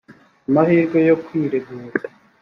amahirwe yo kwiregura